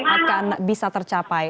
akan bisa tercapai